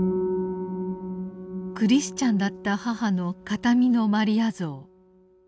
クリスチャンだった母の形見のマリア像。